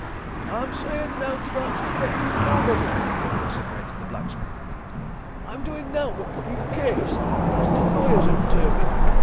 "I'm sayin' nowt about suspectin' nobody!" vociferated the blacksmith. "I'm doin' nowt but puttin' a case, as t' lawyers 'ud term it.